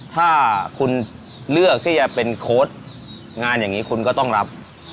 ถ้าคุณเลือกที่จะเป็นโค้ดงานอย่างนี้คุณก็ต้องรับ